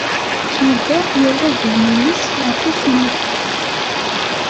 Yuba yerra ddhen-nnes ɣer tusnakt.